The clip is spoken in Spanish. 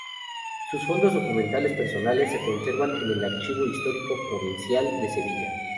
Sus fondos documentales personales se conservan en el Archivo Histórico Provincial de Sevilla.